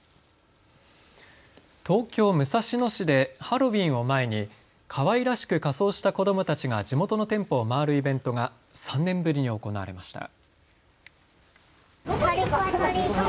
東京武蔵野市でハロウィーンを前にかわいらしく仮装した子どもたちが地元の店舗を回るイベントが３年ぶりに行われました。